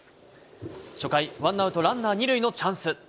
初回、ワンアウトランナー２塁のチャンス。